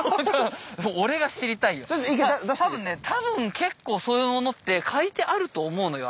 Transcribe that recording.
多分ね多分結構そういうものって書いてあると思うのよ